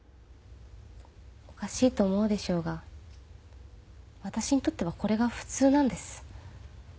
おかしいと思うでしょうが私にとってはこれが普通なんです。